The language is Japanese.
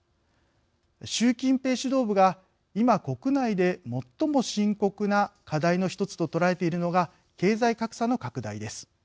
習近平指導部が今、国内で最も深刻な課題の一つと捉えているのが経済格差の拡大です。